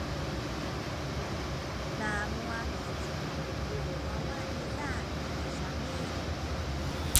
na muwangic ku wawa niza inasawni.